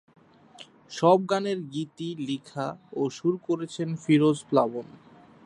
সব গানের গীতি লেখা ও সুর করেছেন ফিরোজ প্লাবন।